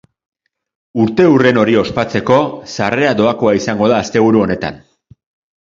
Urteurren hori ospatzeko, sarrera doakoa izango da asteburu honetan.